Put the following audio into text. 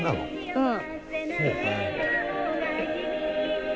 うん。